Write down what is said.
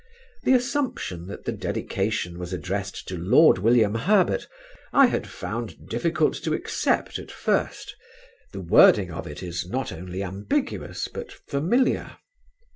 The assumption that the dedication was addressed to Lord William Herbert I had found it difficult to accept, at first; the wording of it is not only ambiguous but familiar.